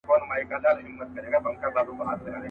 ځغلول يې موږكان تر كور او گوره.